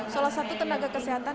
salah satu tenaga kesehatan